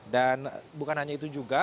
dan bukan hanya itu juga